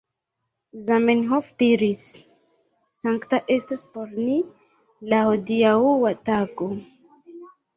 Zamenhof diris: ""Sankta estas por ni la hodiaŭa tago.